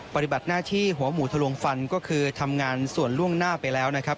ปฏิบัติหน้าที่หัวหมูทะลวงฟันก็คือทำงานส่วนล่วงหน้าไปแล้วนะครับ